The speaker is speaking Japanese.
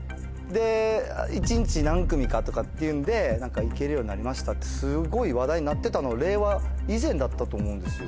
で一日何組かとかっていうんで行けるようになりましたってすごい話題になってたの令和以前だったと思うんですよ。